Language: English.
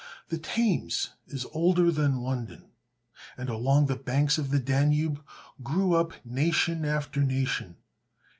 The Thames is older than London; and along the banks of the Danube grew up nation after nation.